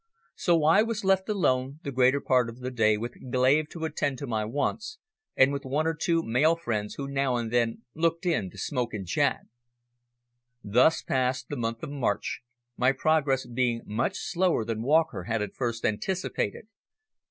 So I was left alone the greater part of the day with Glave to attend to my wants, and with one or two male friends who now and then looked in to smoke and chat. Thus passed the month of March, my progress being much slower than Walker had at first anticipated.